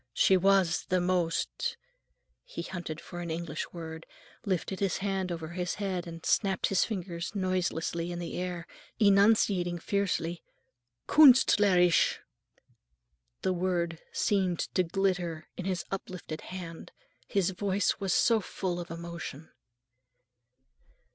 She was the most—" he hunted for an English word, lifted his hand over his head and snapped his fingers noiselessly in the air, enunciating fiercely, "künst ler isch!" The word seemed to glitter in his uplifted hand, his voice was so full of emotion.